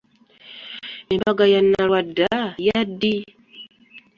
Embaga ya Nalwadda yaddi?